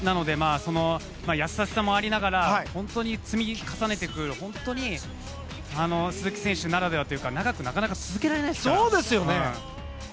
優しさもありながら積み重ねていく鈴木選手ならでは長く、なかなか続けられないですから。